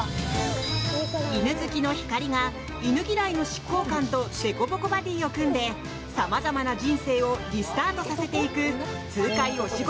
犬好きのひかりが犬嫌いの執行官とでこぼこバディーを組んで様々な人生をリスタートさせていく痛快お仕事